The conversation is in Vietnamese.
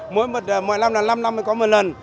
mỗi năm là năm năm mới có một lần